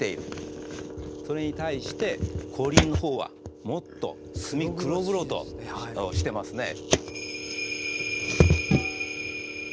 それに対して光琳のほうはもっと墨黒々としてますね。